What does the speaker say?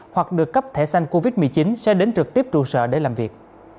hoặc được cấp thẻ xanh covid một mươi chín sẽ đến trực tiếp trụ sở để làm việc